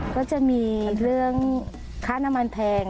ก็จะมีเรื่องค่าน้ำมันแพง